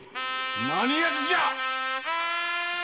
何やつじゃ！